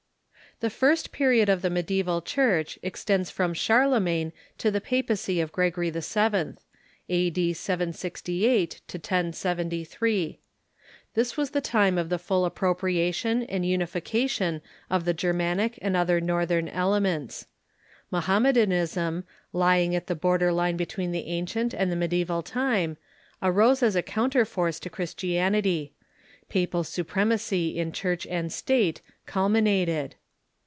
The first jDcriod of the Mediaeval Church extends from Charlemagne to the papacy of Gregory VII. — The Three Periods ^°^ m, •,•^,.,, A.D. 768 1073. This was the time of the full ap propriation and unification of the Germanic and other Northern 106 THE MEDIAEVAL CHUKCII elements. Mohammedanism, lying at the border line l)ct\veen the ancient and the mediasval time, arose as a counterforce to Christianity. Papal supremacy in Church and State culminated.